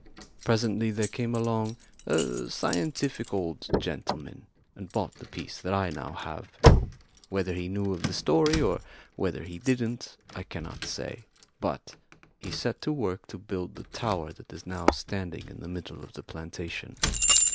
Presently there came along a scientific old gentleman and bought the piece that I now have. Whether he knew of the story, or whether he didn't, I cannot say, but he set to work to build the tower that is now standing in the middle of the plantation.